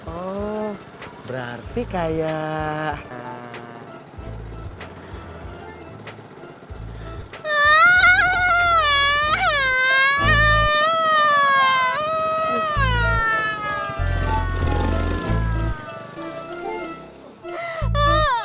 oh berarti kayak